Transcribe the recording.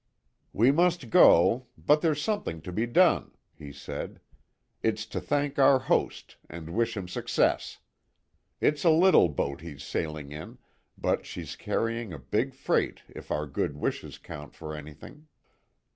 "We must go, but there's something to be done," he said. "It's to thank our host and wish him success. It's a little boat he's sailing in, but she's carrying a big freight if our good wishes count for anything."